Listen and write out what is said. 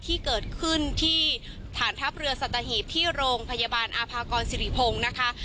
ที่เกิดขึ้นที่ฐานทัพเรือสัตหีบที่โรงพยาบาลอาภากรสิริพงศ์นะคะ